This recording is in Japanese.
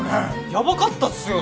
ヤバかったっすよね。